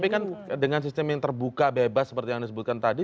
tapi kan dengan sistem yang terbuka bebas seperti yang disebutkan tadi